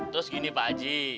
terus gini pak haji